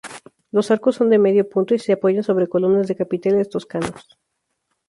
Los arcos son de medio punto y se apoyan sobre columnas de capiteles toscanos.